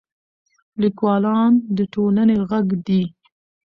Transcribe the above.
لیکوالان د ټولنې ږغ دي.